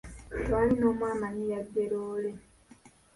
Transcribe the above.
Tewali n'omu amanyi yabbye loole.